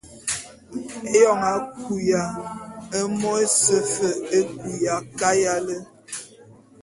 Eyoñ a kuya, émo ése fe é kuya kayale.